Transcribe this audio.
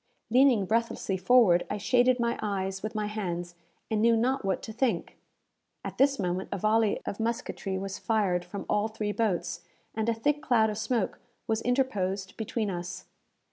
Leaning breathlessly forward, I shaded my eyes with my hands, and knew not what to think. At this moment a volley of musketry was fired from all three boats, and a thick cloud of smoke was interposed between us.